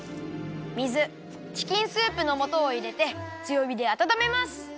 水チキンスープのもとをいれてつよびであたためます。